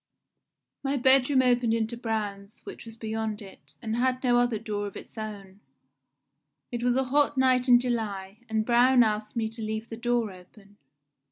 My bedroom opened into Braun's, which was beyond it, and had no other door of its own. It was a hot night in July, and Braun asked me to leave the door open.